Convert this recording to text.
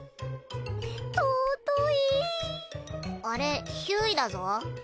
あれひゅーいだぞ。